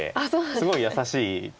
すごい優しいって。